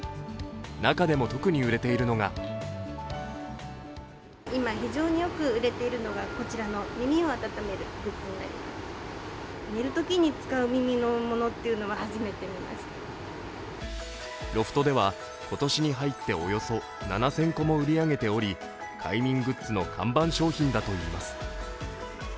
中でも特に売れているのがロフトでは、今年に入っておよそ７０００個も売り上げており快眠グッズの看板商品だといいます。